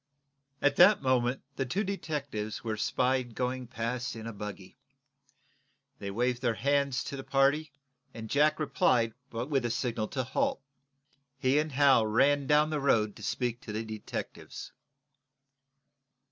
At that moment the two detectives were espied going past in a buggy. They waved their hands to the party. Jack replied by a signal to halt. He and Hal ran down to the road to speak to the detectives.